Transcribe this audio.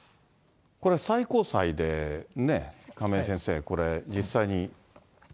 これは最高裁でね、亀井先生、実際に。